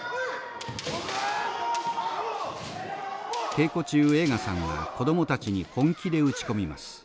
稽古中栄花さんは子供たちに本気で打ち込みます。